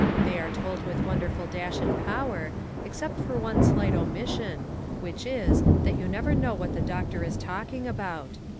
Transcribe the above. They are told with wonderful dash and power, except for one slight omission, which is, that you never know what the doctor is talking about.